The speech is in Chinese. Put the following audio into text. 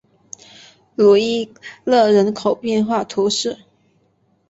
鲁伊勒人口变化图示